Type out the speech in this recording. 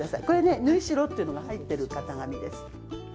これ、縫い代というのが入ってる型紙です。